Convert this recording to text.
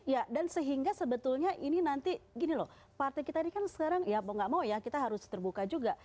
ya dan sehingga sebetulnya ini nanti gini loh partai kita ini kan sekarang ya mau gak mau ya kita harus terbuka juga